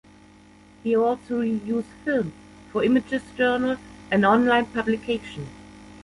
He also reviews film for Images Journal, an online publication.